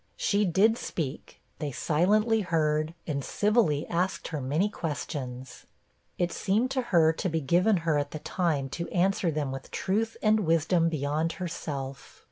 She did speak; they silently heard, and civilly asked her many questions. It seemed to her to be given her at the time to answer them with truth and wisdom beyond herself.